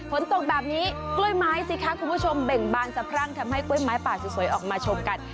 ฝนตกแบบนี้กล้วยไม้สิคะคุณผู้ชมเบ่งบานสะพรั่งทำให้กล้วยไม้ป่าสวยออกมาชมกัน